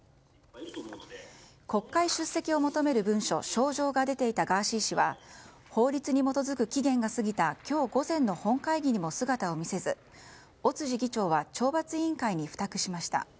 国会出席を求める文書招状が出ていたガーシー氏は法律に基づく期限がついた今日午前の本会議にも姿を見せず、尾辻議長は懲罰委員会に付託しました。